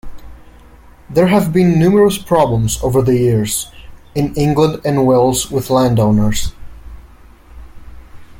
There have been numerous problems over the years in England and Wales with landowners.